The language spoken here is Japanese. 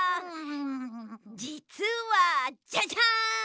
じつはジャジャン！